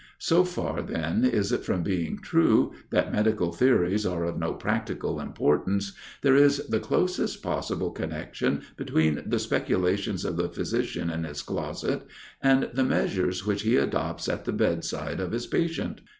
So far then is it from being true, that medical theories are of no practical importance, there is the closest possible connection between the speculations of the physician in his closet, and the measures which he adopts at the bed side of his patient.